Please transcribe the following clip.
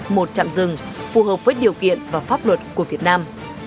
một chạm rừng phù hợp với điều kiện và pháp luật của việt nam